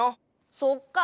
そっか。